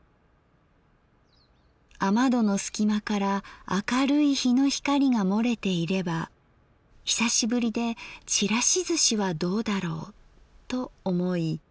雨戸の隙間から明るい陽の光が洩れていれば久しぶりでちらしずしはどうだろうと思い